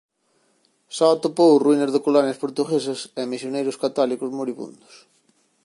Só atopou ruínas de colonias portuguesas e misioneiros católicos moribundos.